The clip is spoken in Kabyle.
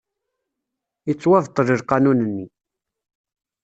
Yettwabṭel lqanun-nni.